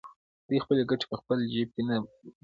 دوی خپلې ګټې په خپل جېب کې ننباسي